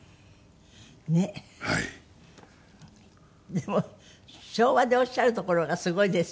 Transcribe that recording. でも昭和でおっしゃるところがすごいですね。